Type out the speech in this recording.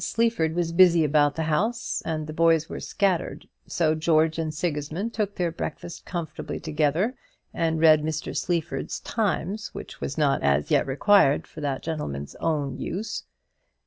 Sleaford was busy about the house, and the boys were scattered; so George and Sigismund took their breakfast comfortably together, and read Mr. Sleaford's "Times," which was not as yet required for that gentleman's own use.